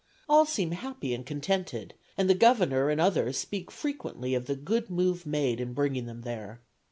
All seem happy and contented, and the Governor and others speak frequently of the good move made in bringing them there.